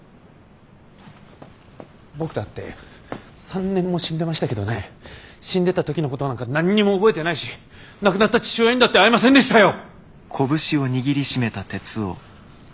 僕だって３年も死んでましたけどね死んでた時のことなんか何にも覚えてないし亡くなった父親にだって会えませんでしたよ！